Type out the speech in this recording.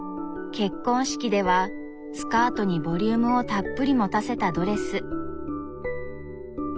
結婚式ではスカートにボリュームをたっぷり持たせたドレス。